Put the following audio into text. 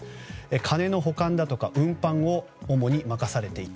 金の保管だとか運搬を主に任されていた。